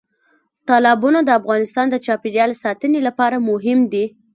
تالابونه د افغانستان د چاپیریال ساتنې لپاره مهم دي.